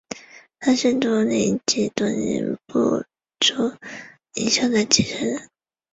他是都灵及都灵部族领袖的继承人。